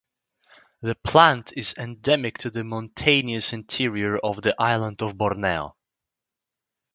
The plant is endemic to the mountainous interior of the island of Borneo.